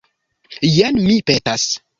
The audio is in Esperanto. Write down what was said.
Jen, mi petas.